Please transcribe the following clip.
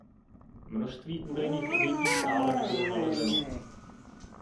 Množství údajných obětí stále nebylo nalezeno.